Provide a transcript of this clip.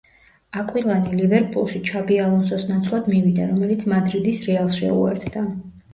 აკვილანი ლივერპულში ჩაბი ალონსოს ნაცვლად მივიდა, რომელიც მადრიდის რეალს შეუერთდა.